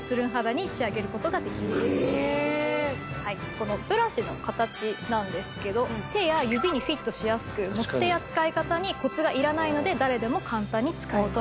このブラシの形なんですけど手や指にフィットしやすく持ち手や使い方にコツがいらないので誰でも簡単に使えます。